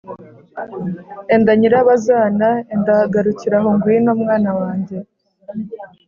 ‘enda nyirabazana, enda garukira aho ngwino mwana wanjye,